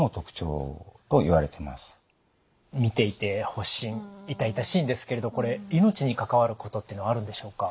見ていて発疹痛々しいですけれど命に関わることっていうのはあるんでしょうか？